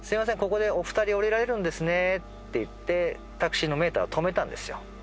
ここでお二人降りられるんですねって言ってタクシーのメーターを止めたんですよ。